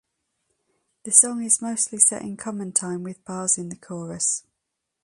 The song is mostly set in common time with bars in the chorus.